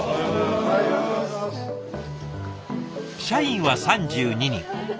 社員は３２人。